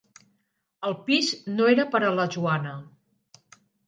El pis no era per a la Joana.